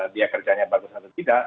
dia kerjanya bagus atau tidak